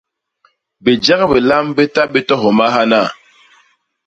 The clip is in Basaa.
Bijek bilam bi ta bé to homa hana!